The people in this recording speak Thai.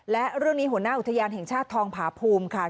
และเรื่องนี้หัวหน้าอุทยานแห่งชาติทองผาภูมิค่ะ